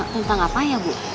tentang apa ya bu